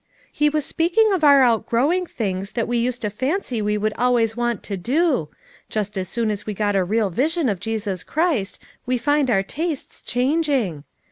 "He was speaking of our outgrowing things that we used to fancy we would always want to do ; just as soon as we get a real vision of Jesus Christ, we find our tastes changing.